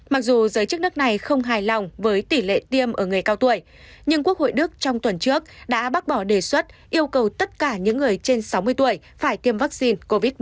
mặc dù giới chức nước này không hài lòng với tỷ lệ tiêm ở người cao tuổi nhưng quốc hội đức trong tuần trước đã bác bỏ đề xuất yêu cầu tất cả những người trên sáu mươi tuổi phải tiêm vaccine covid một mươi chín